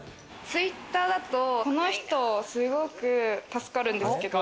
Ｔｗｉｔｔｅｒだとこの人、すごく助かるんですけど。